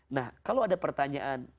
nah kalau ada pertanyaan